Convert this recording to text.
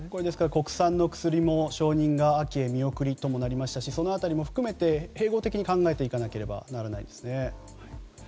国産の薬も承認が見送りとなりましたしその辺りも含めて併合的に考えていなければならないですね。